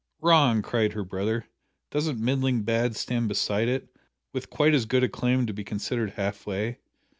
"Wrong!" cried her brother, "doesn't middling bad stand beside it, with quite as good a claim to be considered half way?